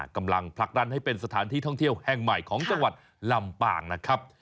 กำลังผลักดันให้เป็นสถานที่ท่องเที่ยวแห่งใหม่ของจังหวัดลำปางนะครับ